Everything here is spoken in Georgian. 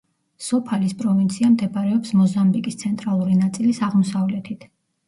სოფალის პროვინცია მდებარეობს მოზამბიკის ცენტრალური ნაწილის აღმოსავლეთით.